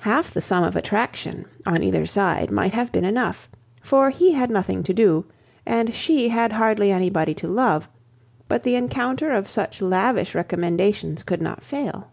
Half the sum of attraction, on either side, might have been enough, for he had nothing to do, and she had hardly anybody to love; but the encounter of such lavish recommendations could not fail.